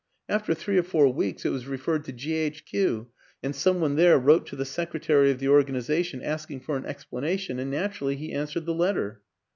After three or four weeks it was referred to G. H. Q. and some one there wrote to the secretary of the organiza tion asking for an explanation and naturally 'he answered the letter.